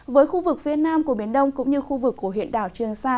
với khu vực phía nam của biển đông cũng như khu vực của huyện đảo trường sa